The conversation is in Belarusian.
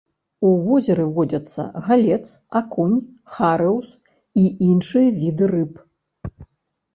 У возеры водзяцца галец, акунь, харыус і іншыя віды рыб.